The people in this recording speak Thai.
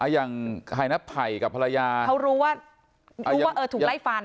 อย่างภัยกับภรรยาเขารู้ว่าถูกไล่ฟัน